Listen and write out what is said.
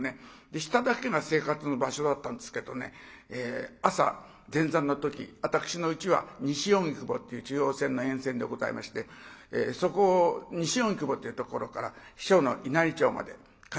で下だけが生活の場所だったんですけどね朝前座の時私のうちは西荻窪っていう中央線の沿線でございましてそこ西荻窪っていうところから師匠の稲荷町まで通っておりました。